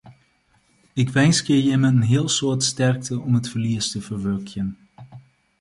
Ik winskje jimme in heel soad sterkte om it ferlies te ferwurkjen.